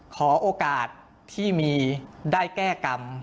ขอโอกาสที่มีได้แก้กรรม